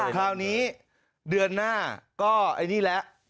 คราวนี้เดือนหน้าก็ไอ้นี่แหละ